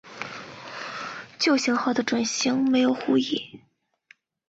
旧型号的准星没有护翼。